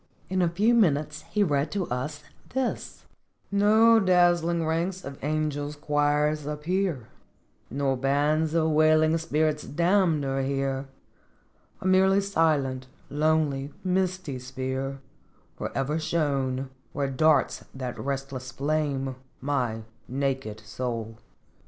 In a few minutes he read to us :" No dazzling ranks of angels' choirs appear, Nor bands of wailing spirits damned are here, A merely silent, lonely, misty sphere Forever shown, 68 " Where darts that restless flame, my naked soul.